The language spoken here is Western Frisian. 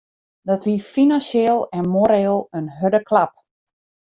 Dat wie finansjeel en moreel in hurde klap.